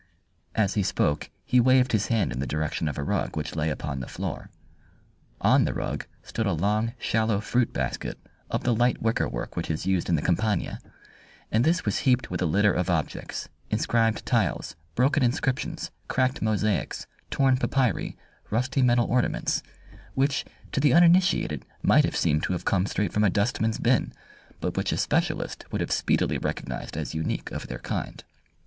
As he spoke he waved his hand in the direction of a rug which lay upon the floor. On the rug stood a long, shallow fruit basket of the light wicker work which is used in the Campagna, and this was heaped with a litter of objects, inscribed tiles, broken inscriptions, cracked mosaics, torn papyri, rusty metal ornaments, which to the uninitiated might have seemed to have come straight from a dustman's bin, but which a specialist would have speedily recognized as unique of their kind.